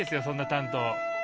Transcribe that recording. そんな担当。